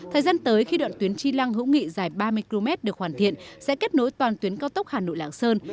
thời gian tới khi đoạn tuyến chi lăng hữu nghị dài ba mươi km được hoàn thiện sẽ kết nối toàn tuyến cao tốc hà nội lạng sơn